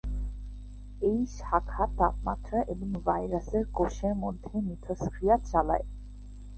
এই শাখা তাপমাত্রা এবং ভাইরাসের কোষের মধ্যে মিথস্ক্রিয়া চালায়।